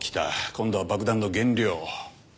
今度は爆弾の原料。